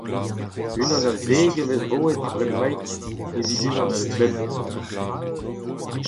Unan a zek am eus roet bremaik evit unan a bemp.